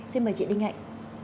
xin mời chị đinh hạnh